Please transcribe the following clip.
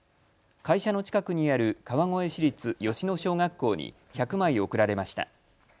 会社の近くにある川越市立芳野小学校に１００枚贈られました。